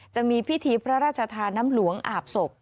จะมีพิธีพระราชทานน้ำหลวงอาบศพ